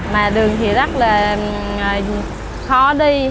mà đường thì rất là khó đi